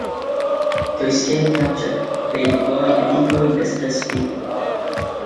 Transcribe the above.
To escape capture, they deploy a decoy distress beacon.